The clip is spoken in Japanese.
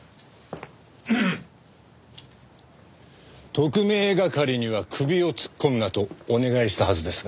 特命係には首を突っ込むなとお願いしたはずですが？